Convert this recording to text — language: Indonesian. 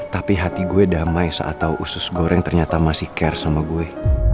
tapi hati gue damai saat tahu usus goreng ternyata masih care sama gue